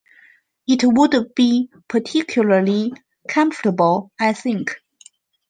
It would be particularly comfortable, I think.